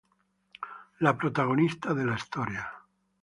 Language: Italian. La protagonista della storia.